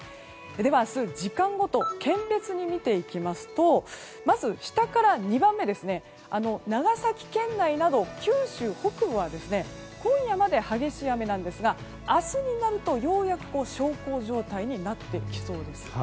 明日、時間ごと県別に見ていきますとまず下から２番目、長崎県内など九州北部は今夜まで激しい雨なんですが明日になるとようやく小康状態になってきそうです。